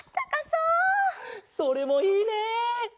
それもいいね！